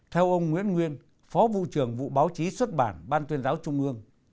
theo ông nguyễn nguyên phó vụ trưởng vụ báo chí xuất bản ban tuyên giáo trung ương